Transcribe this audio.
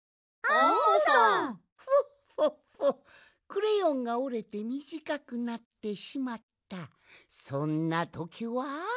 クレヨンがおれてみじかくなってしまったそんなときは。